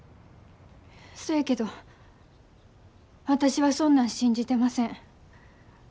そやけど私はそんなん信じてません。